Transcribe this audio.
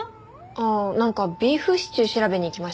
ああなんかビーフシチュー調べに行きました。